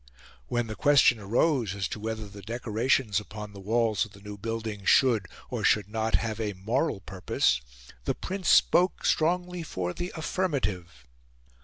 When the question arose as to whether the decorations upon the walls of the new buildings should, or should not, have a moral purpose, the Prince spoke strongly for the affirmative.